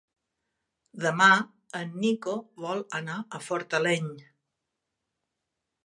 Demà en Nico vol anar a Fortaleny.